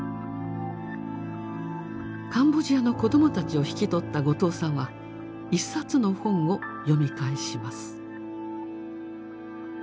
カンボジアの子どもたちを引き取った後藤さんは一冊の本を読み返します。